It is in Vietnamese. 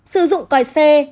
sử dụng còi xe